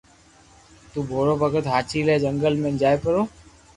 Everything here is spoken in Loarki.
تو ڀورو ڀگت ھاچي لي جنگل جائي پرو